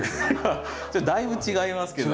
だいぶ違いますけど。